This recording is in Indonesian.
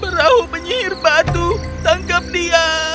perahu penyihir batu tangkap dia